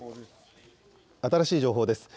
新しい情報です。